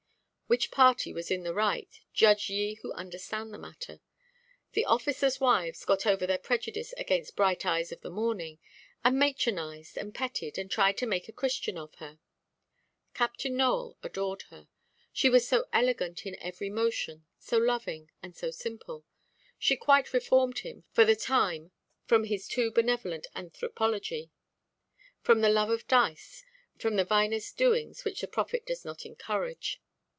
Which party was in the right, judge ye who understand the matter. The officers' wives got over their prejudice against Bright Eyes of the Morning, and matronised, and petted, and tried to make a Christian of her. Captain Nowell adored her; she was so elegant in every motion, so loving, and so simple. She quite reformed him for the time from his too benevolent anthropology, from the love of dice, and the vinous doings which the Prophet does not encourage.